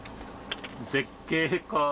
絶景か。